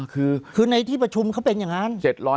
คือในที่ประชุมเขาเป็นอย่างนั้น